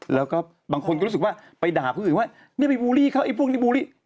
แล้วก็บางคนก็รู้สึกว่าไปด่าผู้อื่นว่าเนี่ยไปบูลลี่เขาไอ้พวกนี้บูลลี่